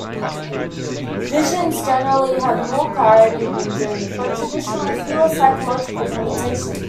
Visions generally have more clarity than dreams, but traditionally fewer psychological connotations.